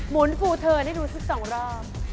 หมุนฟูเทินให้ดูซัก๒รอบ